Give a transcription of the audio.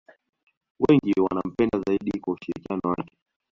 wengi wanampenda zaidi kwa ushirikiano wake